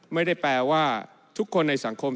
ไม่ได้แปลว่าทุกคนในสังคม